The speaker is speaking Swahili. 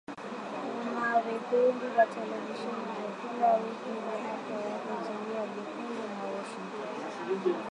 una vipindi vya televisheni vya kila wiki vya Afya Yako Zulia Jekundu na Washingotn